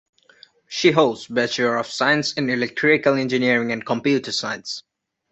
She holds Bachelor of Science in Electrical Engineering and Computer science.